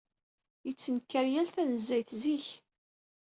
Yettnekkar tal tanezzayt zik.